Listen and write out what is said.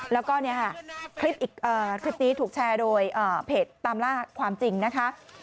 แล้วก็คลิปนี้ถูกแชร์โดยเพจตามล่าความจริงนะคะ